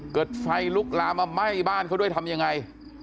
เกิดไฟลุกลามมาไหม้บ้านเขาด้วยทำยังไง